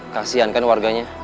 kasian kan warganya